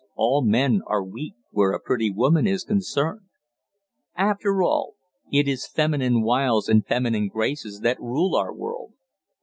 all men are weak where a pretty woman is concerned. After all, it is feminine wiles and feminine graces that rule our world.